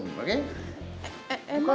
enggak enggak enggak